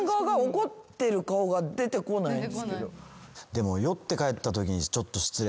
でも。